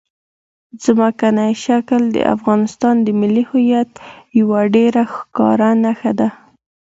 ځمکنی شکل د افغانستان د ملي هویت یوه ډېره ښکاره نښه ده.